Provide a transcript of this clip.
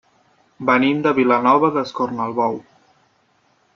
Venim de Vilanova d'Escornalbou.